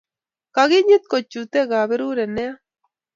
Kakenyet kojuti kaberuret nea